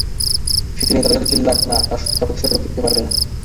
সেটি নিয়ে তারা যতই চিল্লাক তার সত্যতা প্রতিষ্ঠা করতে পারবে না।